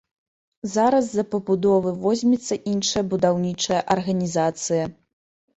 Зараз за пабудовы возьмецца іншая будаўнічая арганізацыя.